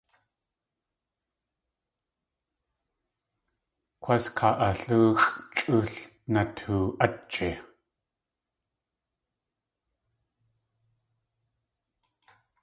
Kwás káa alúxʼ chʼu l natoo.átji!